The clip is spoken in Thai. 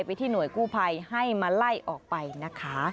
ที่หน่วยกู้ภัยให้มาไล่ออกไปนะคะ